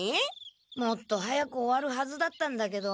もっと早く終わるはずだったんだけど。